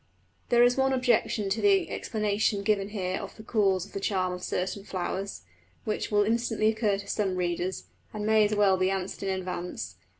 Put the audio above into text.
There is one objection to the explanation given here of the cause of the charm of certain flowers, which will instantly occur to some readers, and may as well be answered in advance.